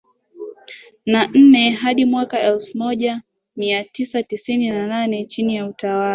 na nne hadi mwaka elfu moja mia tisa tisini na nne chini ya utawala